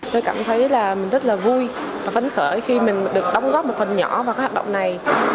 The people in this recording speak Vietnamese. tôi cảm thấy là mình rất là vui và phấn khởi khi mình được đóng góp một phần nhỏ vào các hoạt động này